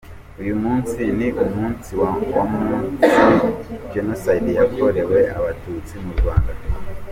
Uyu munsi ni umunsi wa mu minsi Jenoside yakorewe Abatutsi mu Rwanda iba.